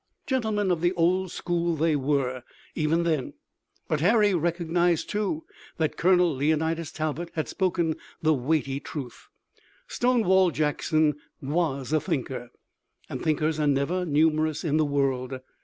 Gentlemen of the old school they were, even then, but Harry recognized, too, that Colonel Leonidas Talbot had spoken the weighty truth. Stonewall Jackson was a thinker, and thinkers are never numerous in the world.